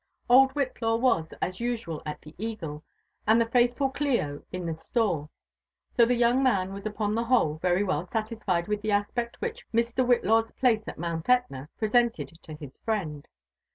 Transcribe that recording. Old Whitlaw was, as usual, at the Eagle, and the faithrul Clio in the store; so the young man was upon the whole very well satisGed with the aspect which '« Mr. Whillaw's place at Mount Etna" presented to his friend.